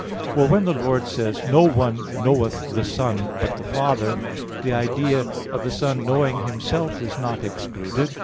For when the Lord says, "No one knoweth the Son, but the Father," the idea of the Son knowing Himself is not excluded.